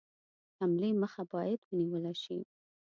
حملې مخه باید ونیوله شي.